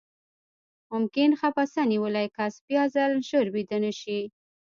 ممکن خپسه نیولی کس بیاځلې ژر ویده نه شي.